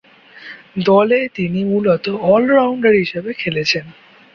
দলে তিনি মূলতঃ অল-রাউন্ডার হিসেবে খেলেছেন।